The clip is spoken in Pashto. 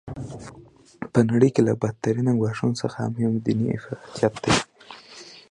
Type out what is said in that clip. په نړۍ کي له بد ترینه ګواښونو څخه یو هم دیني افراطیت دی.